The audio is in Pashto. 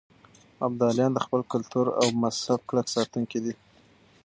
ابدالیان د خپل کلتور او مذهب کلک ساتونکي دي.